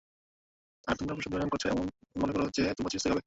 আর তোমরা প্রাসাদ নির্মাণ করছ এ মনে করে যে, তোমরা চিরস্থায়ী হবে?